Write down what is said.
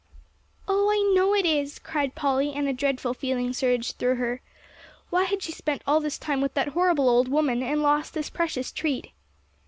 "Oh, I know it is," cried Polly, and a dreadful feeling surged through her. Why had she spent all this time with that horrible old woman, and lost this precious treat!